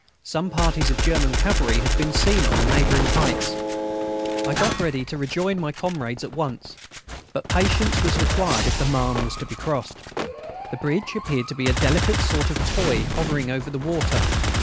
Some parties of German cavalry had been seen on the neighbouring heights. I got ready to rejoin my comrades at once. But patience was required if the Marne was to be crossed. The bridge appeared to be a delicate sort of toy hovering over the water.